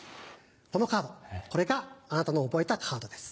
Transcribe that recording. このカードこれがあなたの覚えたカードです。